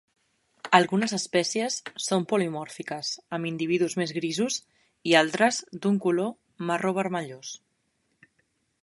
Algunes espècies són polimòrfiques, amb individus més grisos i altres d'un color marró vermellós.